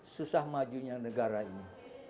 susah majunya negara ini